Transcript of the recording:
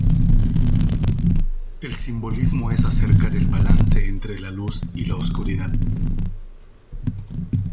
El simbolismo es acerca del balance entre la luz y la oscuridad.